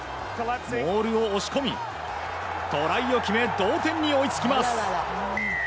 ボールを押し込み、トライを決め同点に追いつきます。